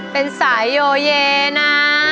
เป็นสายโอย่ั้นนะ